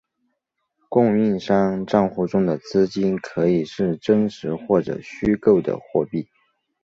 供应商帐户中的资金可以是真实或者虚构的货币。